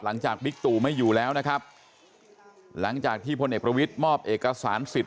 บิ๊กตู่ไม่อยู่แล้วนะครับหลังจากที่พลเอกประวิทย์มอบเอกสารสิทธิ